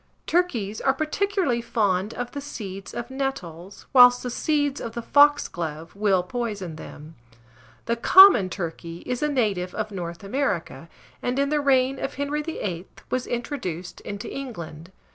Turkeys are particularly fond of the seeds of nettles, whilst the seeds of the foxglove will poison them. The common turkey is a native of North America, and, in the reign of Henry VIII., was introduced into England.